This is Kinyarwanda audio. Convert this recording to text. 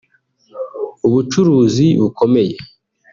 ubucuruzi bukomeye